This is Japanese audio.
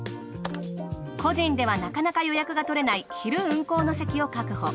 個人ではなかなか予約が取れない昼運行の席を確保。